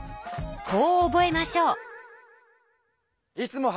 こう覚えましょう。